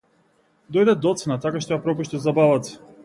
Дојде доцна така што ја пропушти забавата.